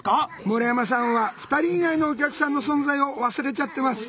村山さんは２人以外のお客さんの存在を忘れちゃってます。